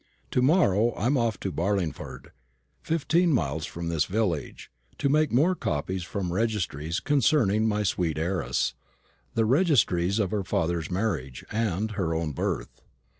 To morrow I am off to Barlingford, fifteen miles from this village, to take more copies from registries concerning my sweet young heiress the registries of her father's marriage, and her own birth.